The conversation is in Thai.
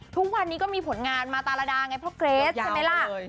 ทุกวันนี้ก็มีผลงานมาตาระดาไงพ่อเกรสใช่ไหมล่ะ